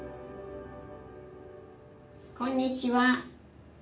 「こんにちは。